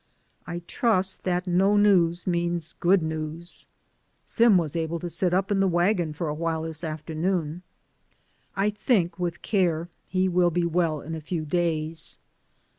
I trust that no news means good news. Sim was able to sit up in the wagon for a while this afternoon. I think with care he will be well in a few days.